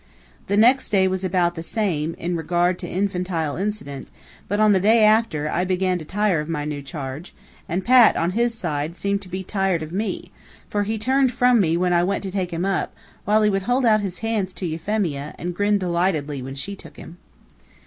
The next day was about the same, in regard to infantile incident, but, on the day after, I began to tire of my new charge, and Pat, on his side, seemed to be tired of me, for he turned from me when I went to take him up, while he would hold out his hands to Euphemia, and grin delightedly when she took him.